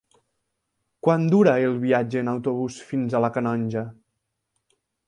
Quant dura el viatge en autobús fins a la Canonja?